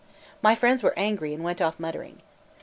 My friends were angry and went off muttering.